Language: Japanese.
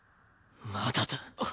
まだだ。